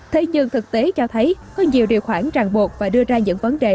thế nhưng thực tế cho thấy có nhiều điều khoản ràng buộc và đưa ra những vấn đề